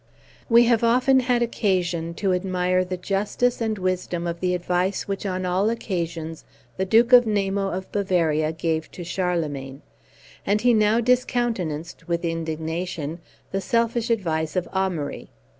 We have often had occasion to admire the justice and wisdom of the advice which on all occasions the Duke Namo of Bavaria gave to Charlemagne, and he now discountenanced, with indignation, the selfish advice of Amaury.